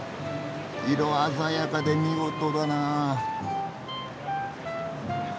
色鮮やかで見事だなぁ。